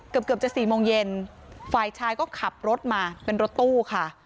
เกือบเกือบจะสี่โมงเย็นฝ่ายชายก็ขับรถมาเป็นรถตู้ค่ะ